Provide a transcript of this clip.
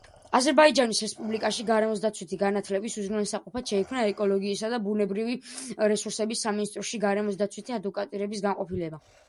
აზერბაიჯანის რესპუბლიკაში გარემოსდაცვითი განათლების უზრუნველსაყოფად შეიქმნა ეკოლოგიისა და ბუნებრივი რესურსების სამინისტროში გარემოსდაცვითი ადვოკატირების განყოფილება.